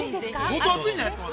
◆相当熱いんじゃないですか。